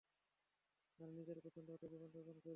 আর নিজের পছন্দ মত জীবনযাপন করি।